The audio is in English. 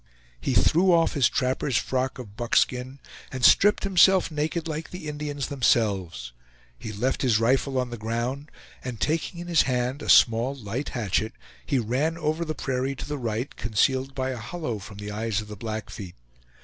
He threw off his trapper's frock of buckskin and stripped himself naked like the Indians themselves. He left his rifle on the ground, and taking in his hand a small light hatchet, he ran over the prairie to the right, concealed by a hollow from the eyes of the Blackfeet.